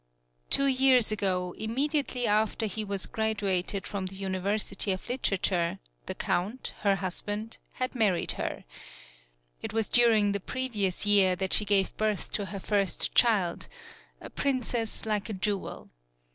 Two years ago, immediately after he was graduated from the university of literature, the count, her husband, had married her. It was during the previ ous year that she gave birth to her first child, a princess like a jewel.